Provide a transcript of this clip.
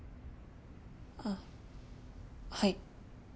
あっはい。